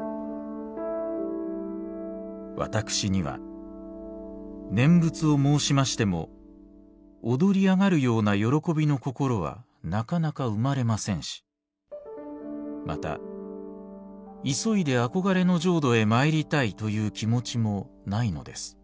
「私には念仏を申しましても躍りあがるような喜びの心はなかなか生まれませんしまた急いであこがれの浄土へまいりたいという気持ちもないのです。